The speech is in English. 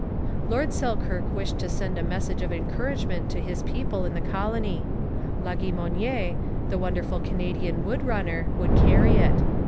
Lord Selkirk wished to send a message of encouragement to his people in the colony. Laguimonière, the wonderful Canadian wood runner, would carry it.